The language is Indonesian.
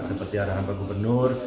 seperti arahan pak gubernur